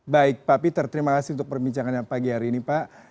baik pak peter terima kasih untuk perbincangannya pagi hari ini pak